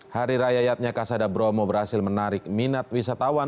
hari raya yatnya kasada bromo berhasil menarik minat wisatawan